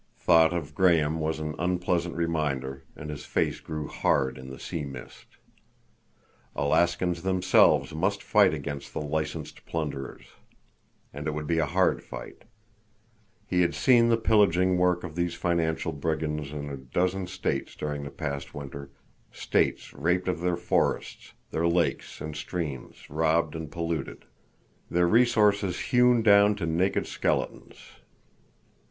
Thought of Graham was an unpleasant reminder, and his face grew hard in the sea mist. Alaskans themselves must fight against the licensed plunderers. And it would be a hard fight. He had seen the pillaging work of these financial brigands in a dozen states during the past winter—states raped of their forests, their lakes and streams robbed and polluted, their resources hewn down to naked skeletons.